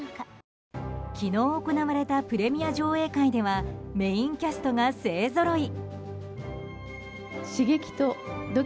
昨日行われたプレミア上映会ではメインキャストが勢ぞろい。